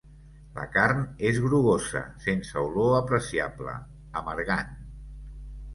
La carn és grogosa, sense olor apreciable, amargant.